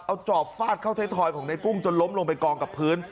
เอาจอบฟาดเข้าไทยทอยของในกุ้งจนล้มลงไปกองกับพื้น